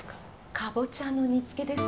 カボチャの煮つけです